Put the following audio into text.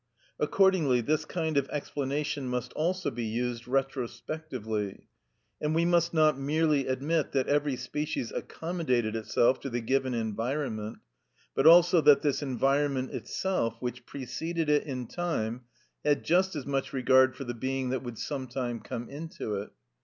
Accordingly this kind of explanation must also be used retrospectively, and we must not merely admit that every species accommodated itself to the given environment, but also that this environment itself, which preceded it in time, had just as much regard for the being that would some time come into it.